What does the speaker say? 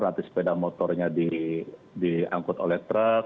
nanti sepeda motornya diangkut oleh truk